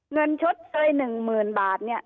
เงินชดเชยหนึ่งหมื่นบาทเนี่ย